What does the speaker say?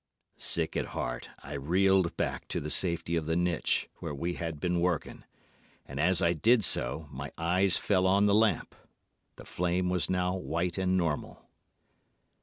"Sick at heart, I reeled back to the safety of the niche where we had been working, and, as I did so, my eyes fell on the lamp—the flame was now white and normal.